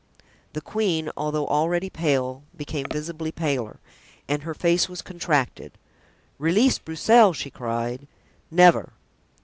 The queen, although already pale, became visibly paler and her face was contracted. "Release Broussel!" she cried, "never!"